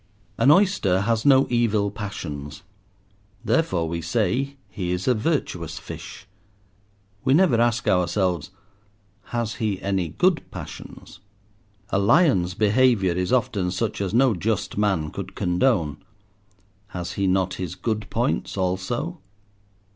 An oyster has no evil passions, therefore we say he is a virtuous fish. We never ask ourselves—"Has he any good passions?" A lion's behaviour is often such as no just man could condone. Has he not his good points also?